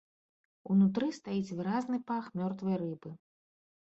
Унутры стаіць выразны пах мёртвай рыбы.